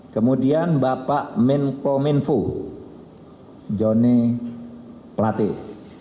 kemudian bapak minko minfu joni platik